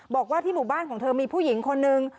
บอกว่าที่หมู่บ้านของเธอมีผู้หญิงคนนึง